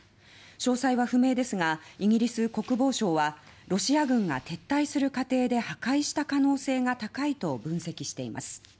詳細は不明ですがイギリス国防省はロシア軍が撤退する過程で破壊した可能性が高いと分析しています。